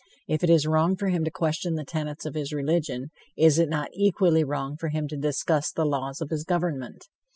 If it is wrong for him to question the tenets of his religion, is it not equally wrong for him to discuss the laws of his government?